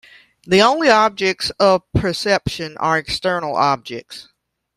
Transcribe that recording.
The only objects of perception are external objects.